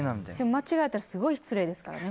間違えたらすごい失礼ですからね。